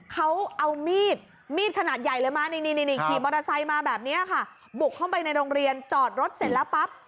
เขาเอามีดมีดขนาดใหญ่เลยมานี่ขี่มอเตอร์ไซค์มาแบบนี้ค่ะบุกเข้าไปในโรงเรียนจอดรถเสร็จแล้วปั๊บ